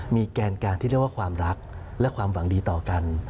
มีแกนการที่เรียกว่าความรักและความหวังดีต่อกัน